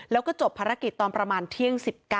แล้วก็จบภารกิจตอนประมาณเที่ยง๑๙